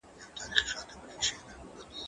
زه پرون موټر کاروم!.